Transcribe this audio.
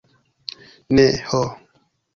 Ne, ho!